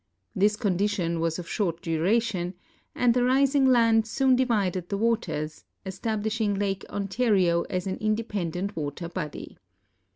This con dition was of short duration, and the rising land soon divided the w^aters, establishing Lake Ontario as an independent water body.